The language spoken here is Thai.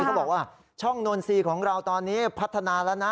เขาบอกว่าช่องนนทรีย์ของเราตอนนี้พัฒนาแล้วนะ